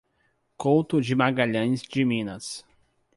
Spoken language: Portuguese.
Couto de Magalhães de Minas